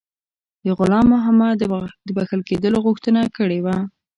د غلام محمد د بخښل کېدلو غوښتنه کړې وه.